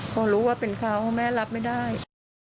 เพราะรู้ว่าเป็นข่าวแม่รับไม่ได้